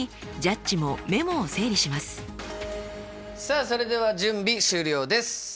さあそれでは準備終了です。